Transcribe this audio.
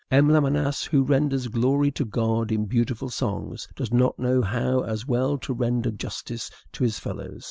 M. Lamennais, who renders glory to God in beautiful songs, does not know how as well to render justice to his fellows.